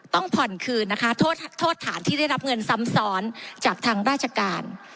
ต้องผ่อนคืนนะคะโทษฐานที่ได้รับเงินซ้ำซ้อนจากทางราชการ